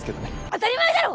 当たり前だろ！